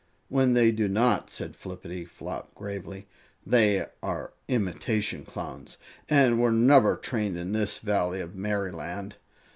"When they do not," said Flippityflop, gravely, "they are imitation Clowns, and were never trained in this Valley of Merryland.